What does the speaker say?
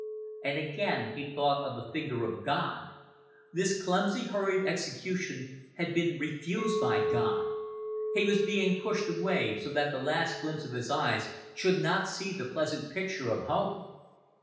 And again he thought of the finger of God. This clumsy hurried execution had been refused by God. He was being pushed away, so that the last glimpse of his eyes should not see the pleasant picture of home.